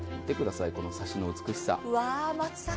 見てください、このサシの美しさ。